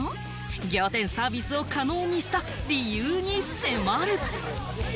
仰天サービスを可能にした理由に迫る！